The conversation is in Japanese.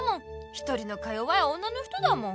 一人のか弱い女の人だもん。